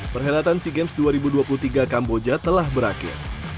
perhelatan sea games dua ribu dua puluh tiga kamboja telah berakhir